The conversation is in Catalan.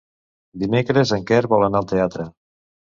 Dimecres en Quel vol anar al teatre.